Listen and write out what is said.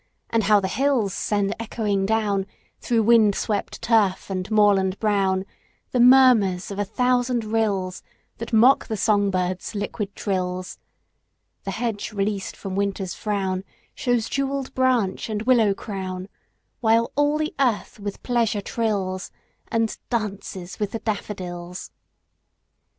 And how the hills send echoing down, Through wind swept turf and moorland brown, The murmurs of a thousand rills That mock the song birds' liquid trills! The hedge released from Winter's frown Shews jewelled branch and willow crown; While all the earth with pleasure trills, And 'dances with the daffodils.